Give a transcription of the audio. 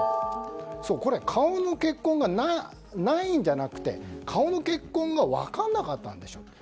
顔の血痕がないんじゃなくて顔の血痕が分からなかったんでしょうと。